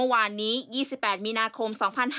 วัน๑๘มีนาคม๒๕๖๑